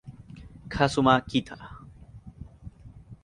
Kazuma Kita